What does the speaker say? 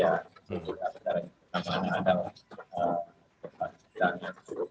karena ada tempat tempat yang harus diperbaiki